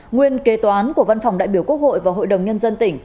nguyên kế toán của văn phòng đại biểu quốc hội và hội đồng nhân dân tỉnh